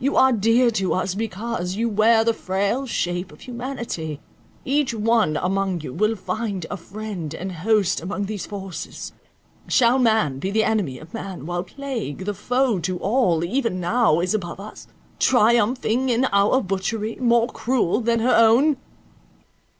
You are dear to us, because you wear the frail shape of humanity; each one among you will find a friend and host among these forces. Shall man be the enemy of man, while plague, the foe to all, even now is above us, triumphing in our butchery, more cruel than her own?"